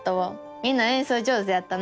みんなえんそう上手やったな！